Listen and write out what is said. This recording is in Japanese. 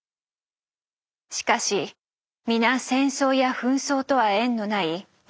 しかし皆戦争や紛争とは縁のない日本育ち。